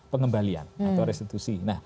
pengembalian atau restitusi